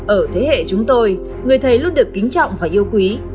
ở thế hệ chúng tôi người thầy luôn được kính trọng và yêu quý